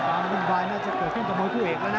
อัศวินบายน่าจะเกิดขึ้นตัวโมยผู้เอกแล้วนะ